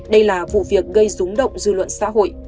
đây là vụ việc gây rúng động dư luận xã hội